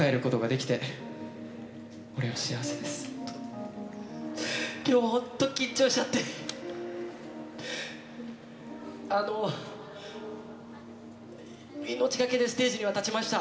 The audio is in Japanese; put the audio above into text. きょう、本当、緊張しちゃって、命懸けでステージには立ちました。